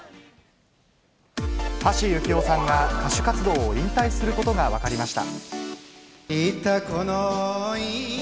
橋幸夫さんが歌手活動を引退することが分かりました。